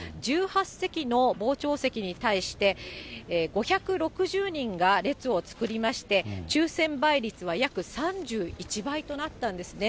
１８席の傍聴席に対して、５６０人が列を作りまして、抽せん倍率は約３１倍となったんですね。